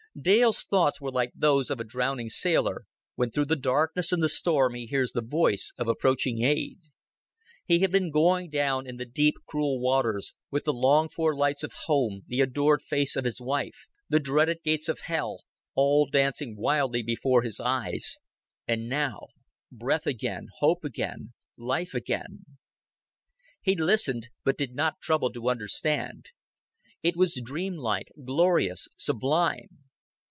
Dale's thoughts were like those of a drowning sailor, when through the darkness and the storm he hears the voice of approaching aid. He had been going down in the deep, cruel waters, with the longed for lights of home, the adored face of his wife, the dreaded gates of hell, all dancing wildly before his eyes and now. Breath again, hope again, life again. He listened, but did not trouble to understand. It was dreamlike, glorious, sublime.